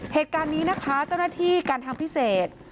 เหตุการณ์นี้นะคะเจ้าหน้าที่การทางพิเศษ